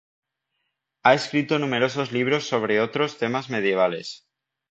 Ha escrito numerosos libros sobre otros temas medievales.